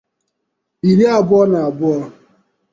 iri abụọ na abụọ